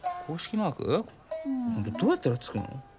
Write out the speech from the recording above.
どうやったらつくの？